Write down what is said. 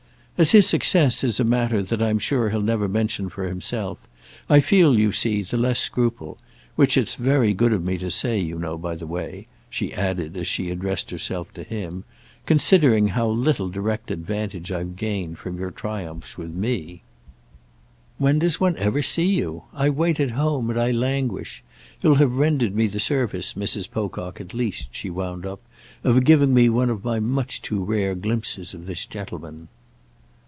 "As his success is a matter that I'm sure he'll never mention for himself, I feel, you see, the less scruple; which it's very good of me to say, you know, by the way," she added as she addressed herself to him; "considering how little direct advantage I've gained from your triumphs with me. When does one ever see you? I wait at home and I languish. You'll have rendered me the service, Mrs. Pocock, at least," she wound up, "of giving me one of my much too rare glimpses of this gentleman."